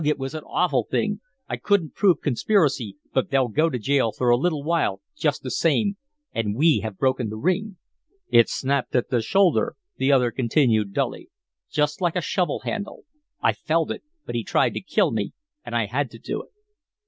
it was an awful thing. I couldn't prove conspiracy, but they'll go to jail for a little while just the same, and we have broken the ring." "It snapped at the shoulder," the other continued, dully, "just like a shovel handle. I felt it but he tried to kill me and I had to do it."